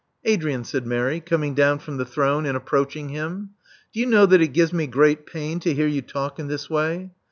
'* Adrian," said Mary, coming down from the throne, and approaching him: do you know that it gives me great pain to hear you talk in this way?